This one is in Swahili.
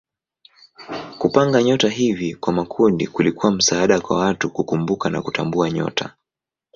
Kupanga nyota hivi kwa makundi kulikuwa msaada kwa watu kukumbuka na kutambua nyota.